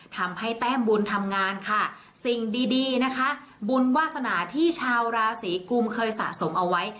ทำให้แต้มบุญทำงานค่ะสิ่งดีดีนะคะบุญวาสนาที่ชาวราศีกุมเคยสะสมเอาไว้